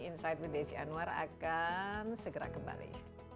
insight with desi anwar akan segera kembali